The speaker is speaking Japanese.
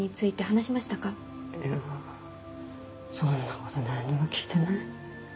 いやそんなこと何にも聞いてない。